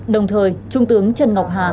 đồng thời trung tướng trần ngọc hà